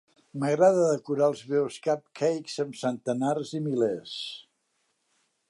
M'agrada decorar els meus cupcackes amb centenars i milers